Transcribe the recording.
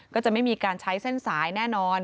ก็จะไม่มีการใช้เส้นสายแน่นอน